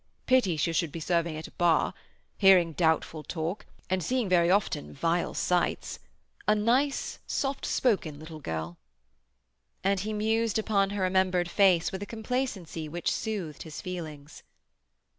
"Pity she should be serving at a bar—hearing doubtful talk, and seeing very often vile sights. A nice, soft spoken little girl." And he mused upon her remembered face with a complacency which soothed his feelings.